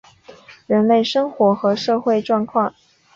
人类生活和社会状况